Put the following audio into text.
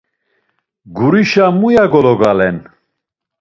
Gurişe muya gologalen?